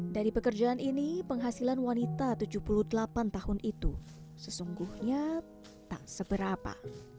dari pekerjaan ini penghasilan wanita tujuh puluh delapan tahun itu sesungguhnya tak seberapa